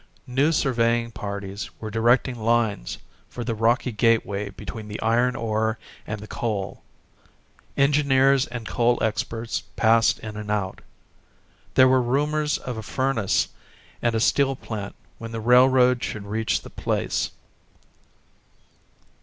New surveying parties were directing lines for the rocky gateway between the iron ore and the coal. Engineers and coal experts passed in and out. There were rumours of a furnace and a steel plant when the railroad should reach the place.